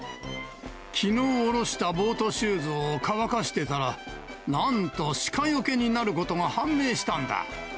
きのうおろしたボートシューズを乾かしてたら、なんとシカよけになることが判明したんだ。